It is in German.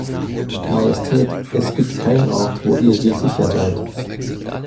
Majestät, es gibt keinen Ort wo ihr hier sicher seid.